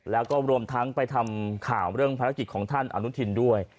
แล้วก็รวมทั้งไปทำข่าวเรื่องภารกิจของท่านอนุทินด้วย